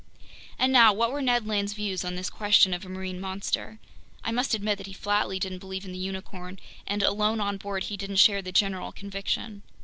And now, what were Ned Land's views on this question of a marine monster? I must admit that he flatly didn't believe in the unicorn, and alone on board, he didn't share the general conviction.